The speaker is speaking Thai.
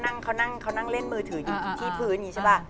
บางทีเขานั่งเล่นมือถืออยู่ที่พื้น